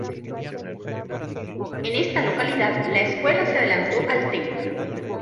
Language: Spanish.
En esta localidad, la escuela se adelantó al templo.